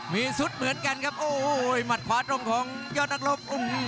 มีซุดเหมือนกันครับโอ้โหหมัดขวาตรงของยอดนักรบ